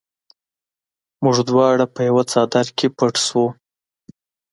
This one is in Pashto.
موږ دواړه په یوه څادر کې پټ شوو